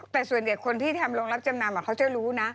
แต่ส่วนใหญ่คนที่ทำโรงรับจำนำเขาจะรู้นะ